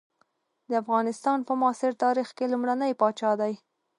د افغانستان په معاصر تاریخ کې لومړنی پاچا دی.